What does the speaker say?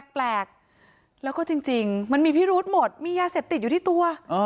แปลกแล้วก็จริงมันมีพิรุธหมดมียาเสพติดอยู่ที่ตัว